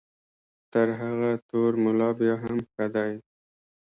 دی تر هغه تور ملا بیا هم ښه دی.